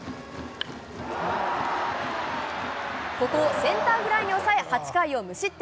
ここをセンターフライに抑え、８回を無失点。